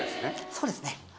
そうですね。